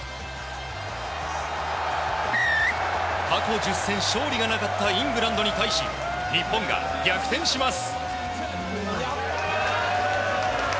過去１０戦勝利がなかったイングランドに対し日本が逆転します。